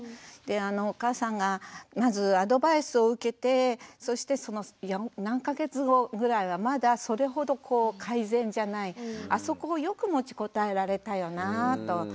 でお母さんがまずアドバイスを受けてそしてその何か月後ぐらいはまだそれほど改善じゃないあそこをよく持ちこたえられたよなぁと。